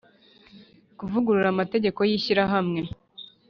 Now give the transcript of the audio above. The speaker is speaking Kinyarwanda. Kuvugurura amategeko y ishyirahamwe